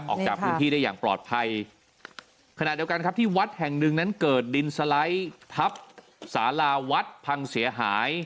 ออกจากพื้นที่ได้อย่างปลอดภัยขณะเดียวกันครับที่วัดแห่งหนึ่งนั้นเกิดดินสไลด์ทับสาราวัดพังเสียหาย